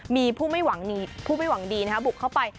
มีผู้ไม่หวังดีบุกเข้าไป